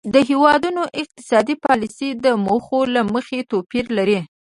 د هیوادونو اقتصادي پالیسۍ د موخو له مخې توپیر لري